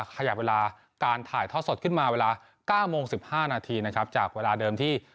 ขยับเวลาการถ่ายทอดสดขึ้นมาเวลา๙โมง๑๕นาทีนะครับจากเวลาเดิมที่